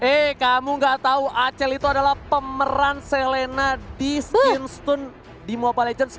eh kamu gak tahu acel itu adalah pemeran selena di stinstone di mobile legends